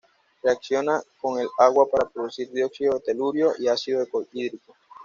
Reacciona con el agua para producir dióxido de telurio y ácido clorhídrico.